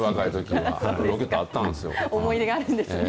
思い出があるんですね。